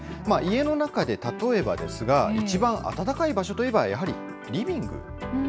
家の中で例えばですが、一番暖かい場所といえば、やはりリビング。